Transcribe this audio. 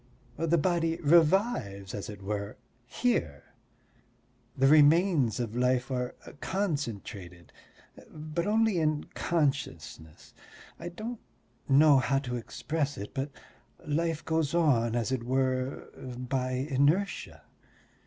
The body revives, as it were, here, the remains of life are concentrated, but only in consciousness. I don't know how to express it, but life goes on, as it were, by inertia.